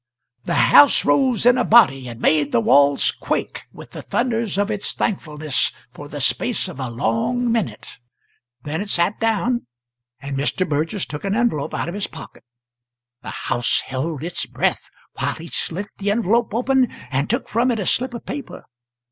The house rose in a body and made the walls quake with the thunders of its thankfulness for the space of a long minute. Then it sat down, and Mr. Burgess took an envelope out of his pocket. The house held its breath while he slit the envelope open and took from it a slip of paper.